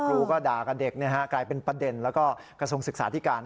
ครูก็ด่ากับเด็กกลายเป็นประเด็นแล้วก็กระทรวงศึกษาธิการ